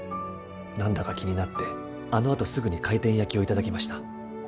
何だか気になってあのあとすぐに回転焼きを頂きました。